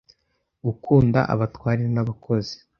gukunda abatware n'abakozi